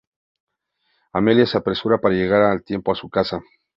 Amelia se apresura para llegar a tiempo a su casa.